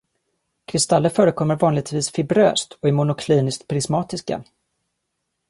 Kristaller förekommer vanligtvis fibröst och är monokliniskt prismatiska.